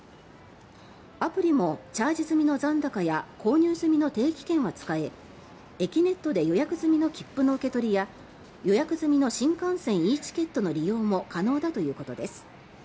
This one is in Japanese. アプリもチャージ済みの残高や購入済みの定期券は使ええきねっとで予約済みの切符の受け取りや予約済みの新幹線ｅチケットの利用も可能だということです。